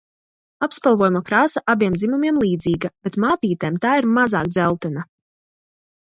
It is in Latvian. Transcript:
Apspalvojuma krāsa abiem dzimumiem līdzīga, bet mātītēm tā ir mazāk dzeltena.